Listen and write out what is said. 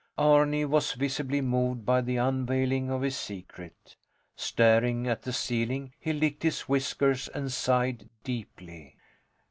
Arni was visibly moved by the unveiling of his secret. Staring at the ceiling, he licked his whiskers and sighed deeply.